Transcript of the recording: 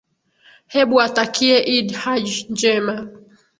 hebu watakie idd hajj njema